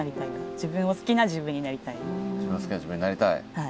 自分を好きな自分になりたい？